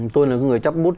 tôi là người chấp bút